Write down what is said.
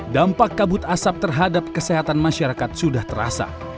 dampak kabut asap terhadap kesehatan masyarakat sudah terasa